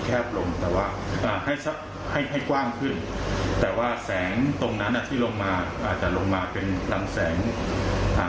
ลงแต่ว่าอ่าให้สักให้ให้กว้างขึ้นแต่ว่าแสงตรงนั้นอ่ะที่ลงมาอาจจะลงมาเป็นลำแสงอ่า